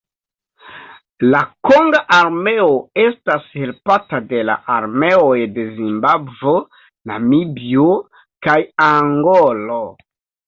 La konga armeo estas helpata de la armeoj de Zimbabvo, Namibio kaj Angolo.